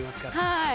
はい！